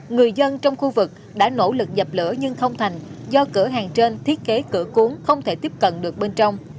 người dân trong khu vực đã nỗ lực dập lửa nhưng không thành do cửa hàng trên thiết kế cửa cuốn không thể tiếp cận được bên trong